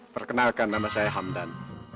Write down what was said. perkenalkan nama saya hamdan